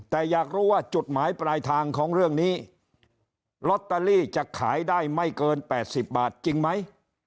แต่อยากรู้ว่าจุดหมายปลายทางของเรื่องนี้ลอตเตอรี่จะขายได้ไม่เกิน๘๐บาทจริงไหม